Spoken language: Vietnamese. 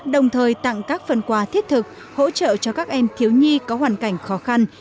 đồng thời tặng các phần quà thiết thực hỗ trợ cho các em thiếu nhi có hoàn cảnh khó khăn